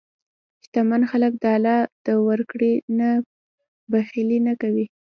شتمن خلک د الله د ورکړې نه بخیلي نه کوي.